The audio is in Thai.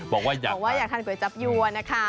บอกว่าอยากถ่านกรวยจับหยวนะคะ